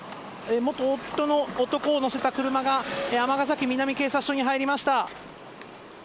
元夫の男を乗せた車が、尼崎南警察署に入りました。